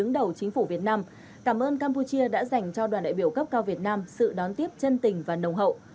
chính phủ việt nam cảm ơn campuchia đã dành cho đoàn đại biểu cấp cao việt nam sự đón tiếp chân tình và nồng hậu